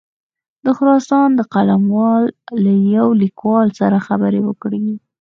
د خراسان د قلموال له یوه لیکوال سره خبرې وکړې.